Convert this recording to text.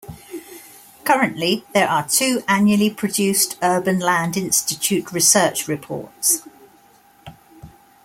Currently, there are two annually produced Urban Land Institute research reports.